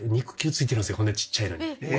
こんな小っちゃいのに。